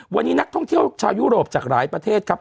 วันนี้นักท่องเที่ยวชาวยุโรปจากหลายประเทศครับ